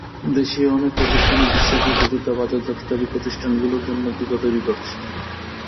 দেশীয় অনেক প্রতিষ্ঠানই বিশ্বখ্যাত জুতা বাজারজাতকারী প্রতিষ্ঠানগুলোর জন্য জুতা তৈরি করছে।